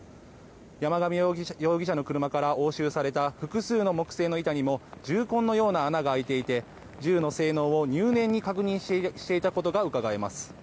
山上容疑者の車から押収された複数の木製の板にも銃痕のような穴が開いていて銃の性能を入念に確認していた様子がうかがえます。